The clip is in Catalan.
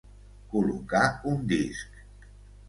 Col·locar un disc.